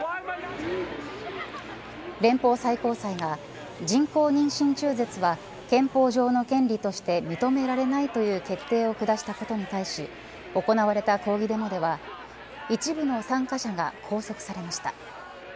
連邦最高裁が人工妊娠中絶は憲法上の権利として認められないという決定を下したことに対し行われた抗議デモでは一部の参加者が拘束されました。